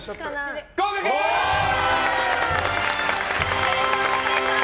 おめでとうございます。